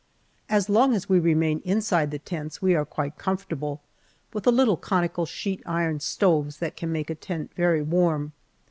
As long as we remain inside the tents we are quite comfortable with the little conical sheet iron stoves that can make a tent very warm.